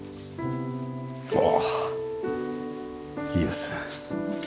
おおいいですね。